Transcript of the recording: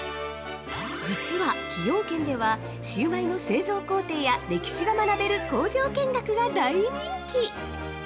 実は、崎陽軒では、シウマイの製造工程や歴史が学べる工場見学が大人気！